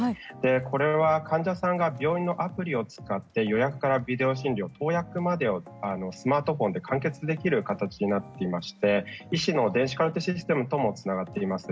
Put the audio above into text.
これは患者さんが病院のアプリを使って予約からビデオ診療、投薬までをスマートフォンで完結できる形になっていまして医師の電子カルテシステムともつながっています。